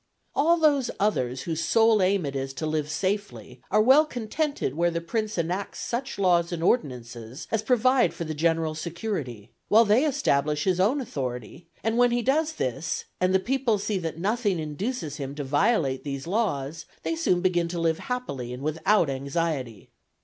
All those others whose sole aim it is to live safely, are well contented where the prince enacts such laws and ordinances as provide for the general security, while they establish his own authority; and when he does this, and the people see that nothing induces him to violate these laws, they soon begin to live happily and without anxiety.